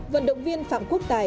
vận động viên phạm quốc tài